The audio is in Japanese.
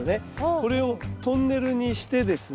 これをトンネルにしてですね